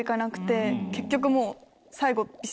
結局もう。